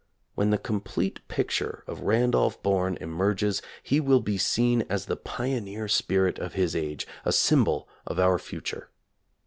[when the complete picture of Randolph Bourne emerges he will be seen as the pioneer spirit of his age, a symbol of our future.